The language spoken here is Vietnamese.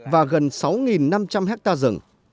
và gần sáu năm trăm linh hectare rừng